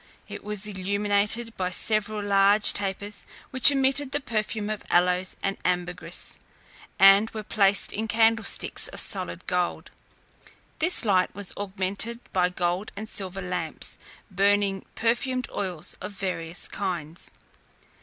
It was illuminated by several large tapers which emitted the perfume of aloes and ambergris, and were placed in candlesticks of solid gold. This light was augmented by gold and silver lamps, burning perfumed oils of various kinds.